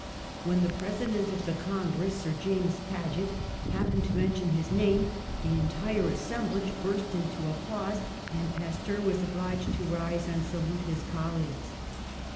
When the President of the CongresS; Sir James Paget, happened to mention his name, the entire as semblage burst into applause, and Pasteur was obliged to rise and salute his colleagues.